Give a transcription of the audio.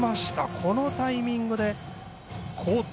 このタイミングで交代。